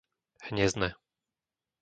Hniezdne